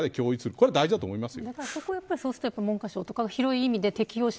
これは大事だと思いますよ。